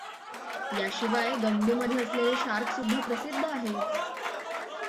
याशिवाय गंगेमध्ये असलेले शार्कसुद्धा प्रसिद्ध आहेत.